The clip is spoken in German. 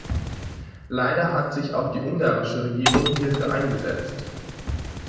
Leider hat sich auch die ungarische Regierung hierfür eingesetzt.